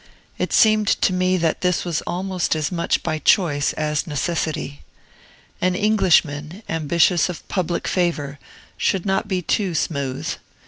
It seemed to me that this was almost as much by choice as necessity. An Englishman, ambitious of public favor, should not be too smooth.